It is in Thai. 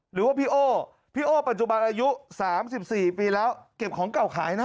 หรือว่าพี่โอ้พี่โอ้ปัจจุบันอายุ๓๔ปีแล้วเก็บของเก่าขายนะ